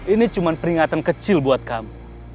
ini cuma peringatan kecil buat kamu